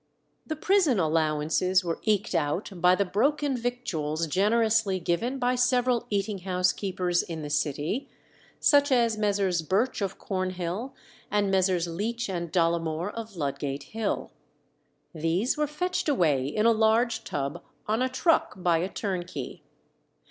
The prison allowances were eked out by the broken victuals generously given by several eating house keepers in the city, such as Messrs. Birch of Cornhill and Messrs. Leach and Dollimore of Ludgate Hill. These were fetched away in a large tub on a truck by a turnkey.